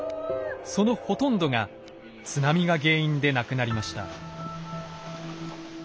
そのほとんどが津波が原因で亡くなりました。